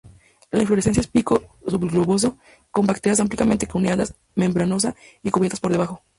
La inflorescencia en pico subgloboso, con brácteas ampliamente cuneadas, membranosas y cubiertas por debajo.